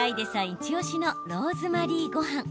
イチおしのローズマリーごはん。